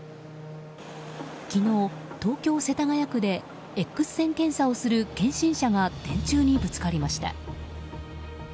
昨日、東京・世田谷区でＸ線検査をする検診車が電柱にぶつかりました。